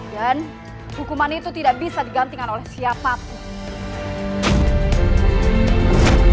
dan hukuman itu tidak bisa digantikan oleh siapapun